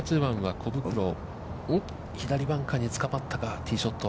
左バンカーにつかまったか、ティーショット。